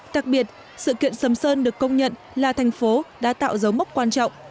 đặc biệt sự kiện sầm sơn được công nhận là thành phố đã tạo dấu mốc quan trọng